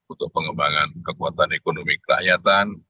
untuk pengembangan kekuatan ekonomi kerakyatan